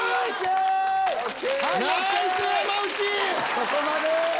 そこまで！